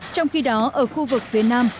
trong khi đó ở khu vực phía nam